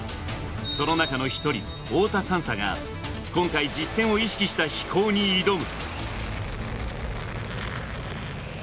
その中の一人、太田３佐が、今回、実戦を意識した飛行に挑む。